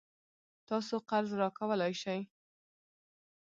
تاسو قرض راکولای شئ؟